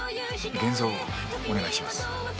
現像、お願いします。